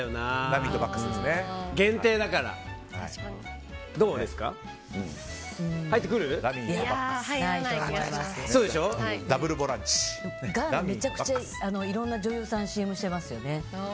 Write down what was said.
ガーナはめちゃくちゃいろんな女優さんがＣＭしてますよね。